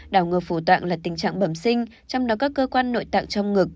đào ngược phủ tạng là tình trạng bẩm sinh trong đó các cơ quan nội tạng trong ngực